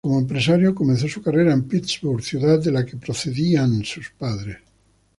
Como empresario, comenzó su carrera en Pittsburgh, ciudad de la que procedían sus padres.